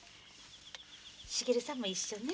茂さんも一緒ね。